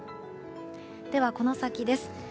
では、この先です。